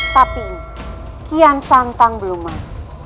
tapi kian santang belum main